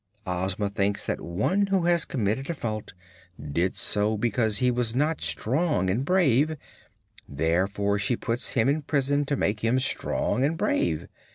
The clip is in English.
Ozma thinks that one who has committed a fault did so because he was not strong and brave; therefore she puts him in prison to make him strong and brave.